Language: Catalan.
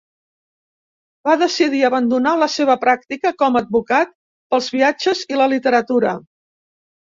Va decidir abandonar la seva pràctica com a advocat pels viatges i la literatura.